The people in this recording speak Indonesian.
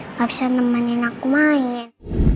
nggak bisa nemenin aku main